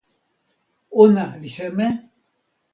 ona li seme?